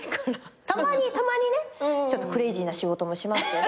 たまにねちょっとクレイジーな仕事もしますけど。